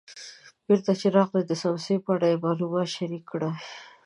بېرته چې راغی د څمڅې په اړه یې معلومات شریک کړل.